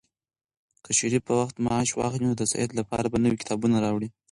که شریف په وخت معاش واخلي، نو د سعید لپاره به نوي کتابونه راوړي.